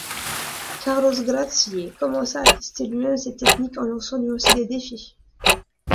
Carlos Gracie commença à tester lui-même ses techniques en lançant lui aussi des défis.